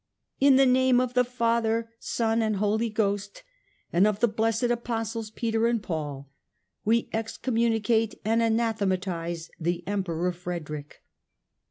" In the name of the Father, Son and Holy Ghost, and of the blessed Apostles Peter and Paul, we excommunicate and anathematise the Emperor Frederick."